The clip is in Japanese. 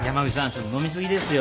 ちょっと飲み過ぎですよ。